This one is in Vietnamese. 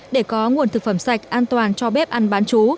để có nguồn thực phẩm sạch an toàn cho bếp ăn bán chú